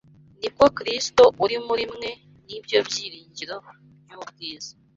Ni bwo Kristo uri muri mwe ni byo byiringiro by’ubwiza